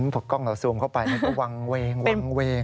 พอกล้องเราซูมเข้าไปมันก็วางเวงวางเวง